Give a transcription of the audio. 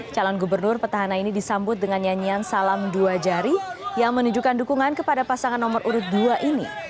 calon gubernur petahana ini disambut dengan nyanyian salam dua jari yang menunjukkan dukungan kepada pasangan nomor urut dua ini